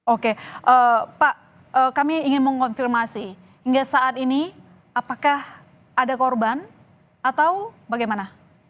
oke pak kami ingin mengonfirmasi hingga saat ini apakah ada korban atau bagaimana